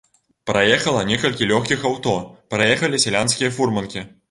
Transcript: Праехала некалькі лёгкіх аўто, праехалі сялянскія фурманкі.